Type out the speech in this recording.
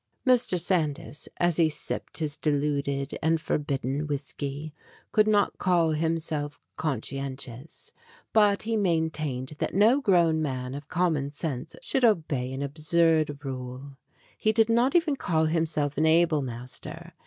Mr. Sandys, as he sipped his diluted and forbidden whisky, could not call himself conscientious; but he maintained that no grown man of common sense should obey an absurd rule. He did not even call himself an able master.